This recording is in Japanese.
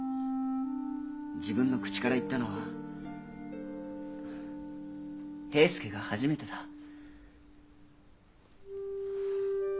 自分の口から言ったのは平助が初めてだ。